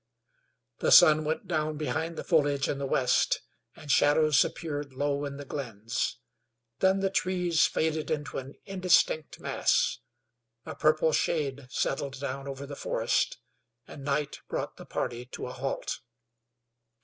The sun went down behind the foliage in the west, and shadows appeared low in the glens; then the trees faded into an indistinct mass; a purple shade settled down over the forest, and night brought the party to a halt.